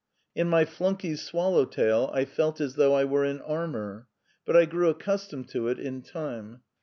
In my flunkey's swallow tail I felt as though I were in armour. But I grew accustomed to it in time.